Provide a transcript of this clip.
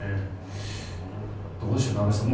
どうでしょう、安部さん